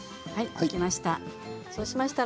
できました。